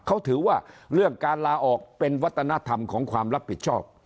เขาถือว่าเรื่องการลาออกเป็นวัฒนธรรมของความรับผิดชอบ